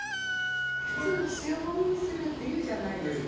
普通、塩もみするっていうじゃないですか。